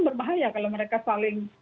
berbahaya kalau mereka saling